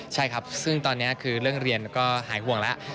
ใช่ครับซึ่งตอนนี้คือเรื่องเรียนก็หายห่วงแล้ว